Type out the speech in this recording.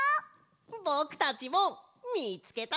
ぼくたちもみつけたぞ！